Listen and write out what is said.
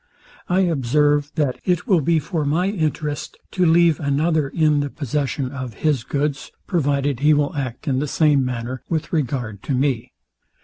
I observe, that it will be for my interest to leave another in the possession of his goods, provided he will act in the same manner with regard to me.